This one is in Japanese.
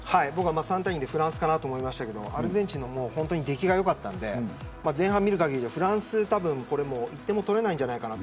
３対２でフランスかなと思いましたけどアルゼンチンも出来が良かったので前半を見る限りはフランスが１点も取れないんじゃないかなと。